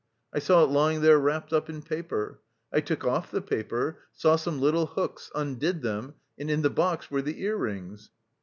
I saw it lying there wrapped up in paper. I took off the paper, saw some little hooks, undid them, and in the box were the ear rings....